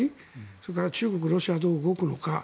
それから中国、ロシアはどう動くのか。